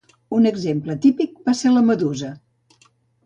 Un exemple típic va ser la medusa.